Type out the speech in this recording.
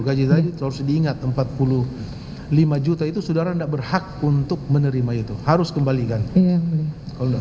gaji tadi harus diingat empat puluh lima juta itu saudara enggak berhak untuk menerima itu harus kembalikan kalau enggak